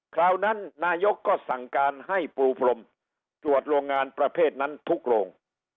คราวนั้นนายกก็สั่งการให้ปูพรมตรวจโรงงานประเภทนั้นทุกโรง